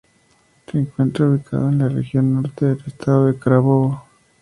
Se encuentra ubicado en la "Región Norte" del Estado Carabobo.